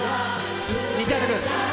西畑君。